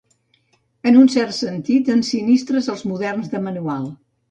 En un cert sentit, ensinistres els moderns de manual.